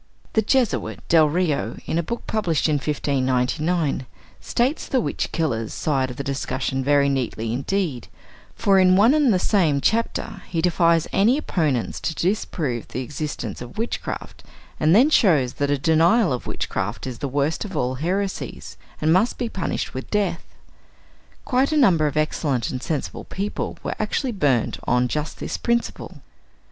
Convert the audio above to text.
The Jesuit Delrio, in a book published in 1599, states the witch killers' side of the discussion very neatly indeed; for in one and the same chapter he defies any opponents to disprove the existence of witchcraft, and then shows that a denial of witchcraft is the worst of all heresies, and must be punished with death. Quite a number of excellent and sensible people were actually burnt on just this principle.